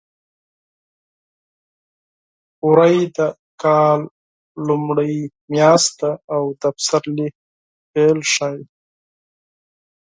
وری د کال لومړۍ میاشت ده او د پسرلي پیل ښيي.